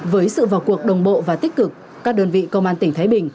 với sự vào cuộc đồng bộ và tích cực các đơn vị công an tỉnh thái bình